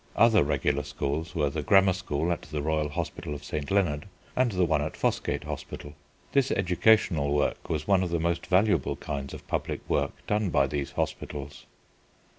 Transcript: Other regular schools were the Grammar School at the royal Hospital of St. Leonard and the one at Fossgate Hospital. This educational work was one of the most valuable kinds of public work done by these hospitals.